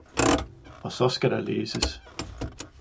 og saa skal det læses!